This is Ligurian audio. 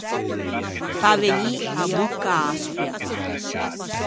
Fâ vegnî a bocca aspia.